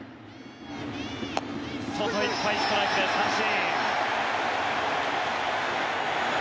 外いっぱいストライクで三振。